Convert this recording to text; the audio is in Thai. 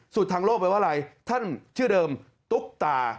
ทางโลกแปลว่าอะไรท่านชื่อเดิมตุ๊กตา